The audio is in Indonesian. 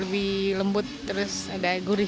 lebih lembut terus ada gurih